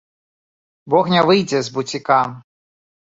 Бог не выйдзе з буціка!